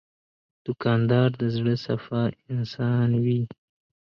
دوکاندار د زړه صفا انسان وي.